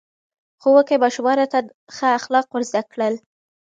ښوونکي ماشومانو ته ښه اخلاق ور زده کړل.